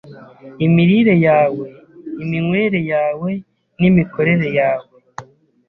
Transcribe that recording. imirire yawe, iminywere yawe, n’imikorere yawe.